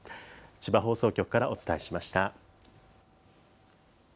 千葉放送局からお伝えしました。